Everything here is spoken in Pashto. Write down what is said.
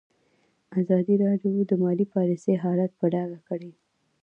ازادي راډیو د مالي پالیسي حالت په ډاګه کړی.